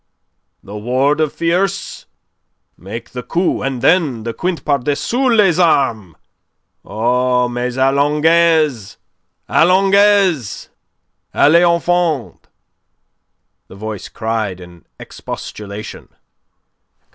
The ward of tierce.... Make the coupe, and then the quinte par dessus les armes.... O, mais allongez! Allongez! Allez au fond!" the voice cried in expostulation.